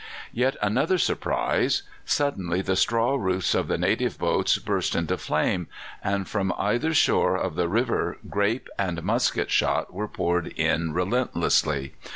"Yet another surprise! Suddenly the straw roofs of the native boats burst into flame, and from either shore of the river grape and musket shot were poured in relentlessly.